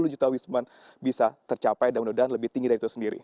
sepuluh juta wisman bisa tercapai dan mudah mudahan lebih tinggi dari itu sendiri